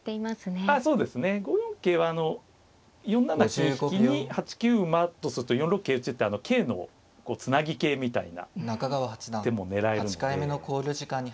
５四桂は４七金引に８九馬とすると４六桂打って桂のつなぎ桂みたいな手も狙えるので。